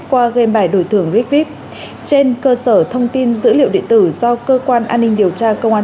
qua gam bài đổi thưởng rifvip trên cơ sở thông tin dữ liệu điện tử do cơ quan an ninh điều tra công an